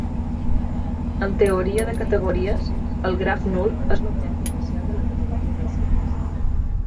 En teoria de categories el graf nul és l'objecte inicial de la categoria dels grafs.